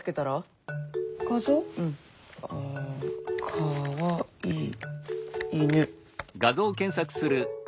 「かわいい犬」。